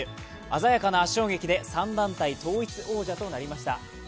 鮮やかな圧勝劇で３団体統一王者となりました。